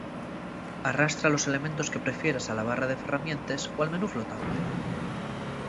Arrastra los elementos que prefieras a la barra de ferramientes o al menú flotante.